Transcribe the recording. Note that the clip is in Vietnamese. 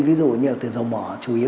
ví dụ như dầu mỏ